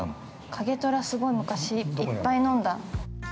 景虎、すごい、昔いっぱい飲んだ。